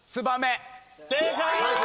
正解！